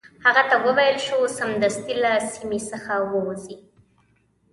هغه ته وویل شو سمدستي له سیمي څخه ووزي.